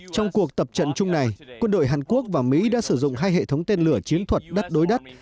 trong cuộc tập trận chung này quân đội hàn quốc và mỹ đã sử dụng hai hệ thống tên lửa chiến thuật đất đối đất